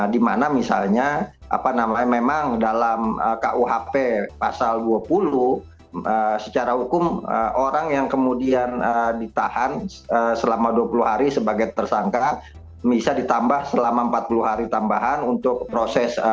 dimana misalnya apa namanya memang dalam kuhp pasal dua puluh secara hukum orang yang kemudian ditahan selama dua puluh hari sebagai tersangka bisa ditambah selama empat puluh hari tambahan untuk proses